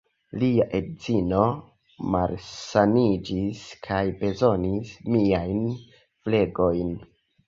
Lia edzino malsaniĝis kaj bezonis miajn flegojn.